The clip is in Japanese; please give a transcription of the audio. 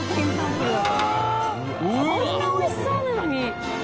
こんな美味しそうなのに。